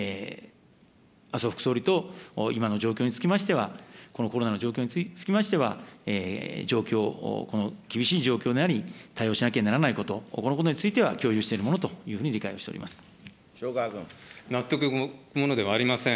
麻生副総理と今の状況につきましては、このコロナの状況につきましては、状況、この厳しい状況であり、対応しなきゃならないこと、このことについては共有しているものというふうに理解をしており塩川君。納得ものではありません。